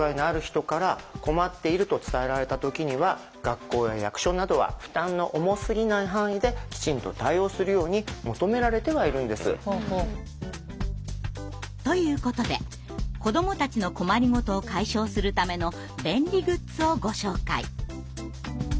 学校や役所などは負担の重すぎない範囲できちんと対応するように求められてはいるんです。ということで子どもたちの困り事を解消するための便利グッズをご紹介。